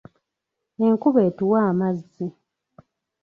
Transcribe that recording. Enkuba etuwa amazzi.